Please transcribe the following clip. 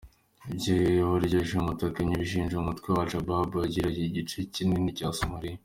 Iby’iryo shimuta Kenya ibishinja umutwe wa Al Shabab wigaruriye igice kinini cya Somalia.